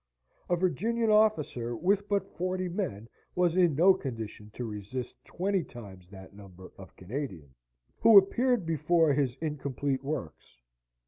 A Virginian officer with but forty men was in no condition to resist twenty times that number of Canadians, who appeared before his incomplete works.